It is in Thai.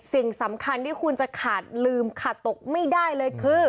สิ่งสำคัญที่คุณจะขาดลืมขาดตกไม่ได้เลยคือ